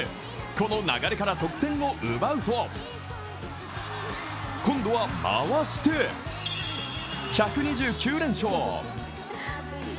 この流れから得点を奪うと今度は回して１２９連勝。